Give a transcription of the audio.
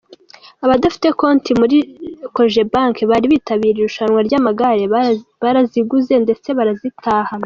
Abadafite konti muri kojebanke bari bitabiriye iri rushanwa ry’amagare baraziguze ndetse barazitahana.